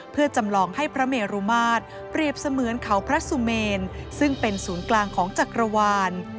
เพื่อจำลองให้พระเมรุมาตรเปรียบเสมือนเขาพระสุเมนซึ่งเป็นศูนย์กลางของจักรวาล